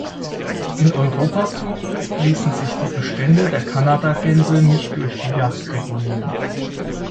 In Europa zumindest ließen sich die Bestände der Kanadagänse nicht durch die Jagd regulieren.